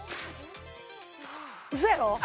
うそやろ？